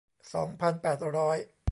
สองพันแปดร้อย